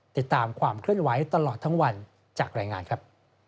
ติดตามความเคลื่อนไหวตลอดทั้งวันจากรายงานครับ